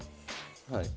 はい。